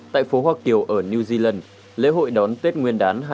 tại phố hoa kiều ở new zealand lễ hội đón tết nguyên đán